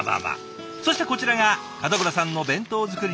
そしてこちらが門倉さんの弁当作り